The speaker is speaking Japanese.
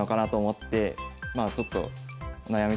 まあちょっと悩み